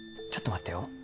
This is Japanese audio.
ちょっと待ってよ。